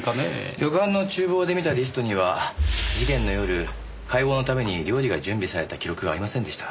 旅館の厨房で見たリストには事件の夜会合のために料理が準備された記録がありませんでした。